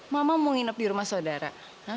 mama mau nginep di rumah saudara